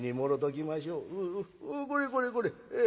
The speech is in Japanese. おこれこれこれ。